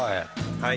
はい。